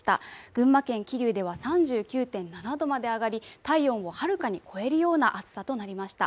群馬県桐生では３９．７度まで上がり体温をはるかに超えるような暑さとなりました。